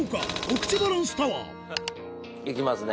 いきますね。